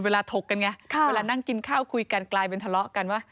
ถกกันไงเวลานั่งกินข้าวคุยกันกลายเป็นทะเลาะกันว่า